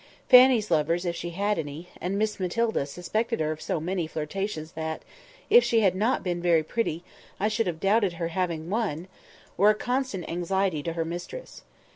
Fanny's lovers, if she had any—and Miss Matilda suspected her of so many flirtations that, if she had not been very pretty, I should have doubted her having one—were a constant anxiety to her mistress.